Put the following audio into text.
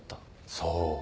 そう。